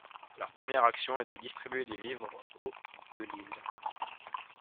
Leur première action est de distribuer des vivres aux de l'île.